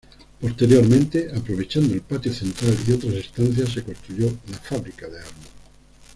Posteriormente, aprovechando el patio central y otras estancias se construyó la fábrica de armas.